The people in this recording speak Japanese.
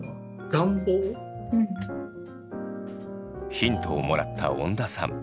ヒントをもらった恩田さん。